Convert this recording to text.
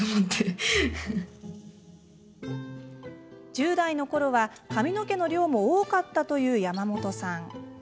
１０代のころは、髪の毛の量も多かったというやまもとさん。